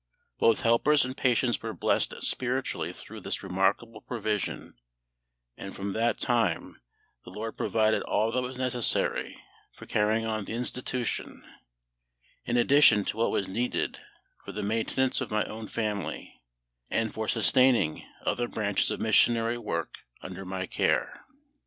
Both helpers and patients were blessed spiritually through this remarkable provision, and from that time the LORD provided all that was necessary for carrying on the institution, in addition to what was needed for the maintenance of my own family, and for sustaining other branches of missionary work under my care.